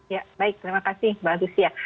ya baik terima kasih mbak lucia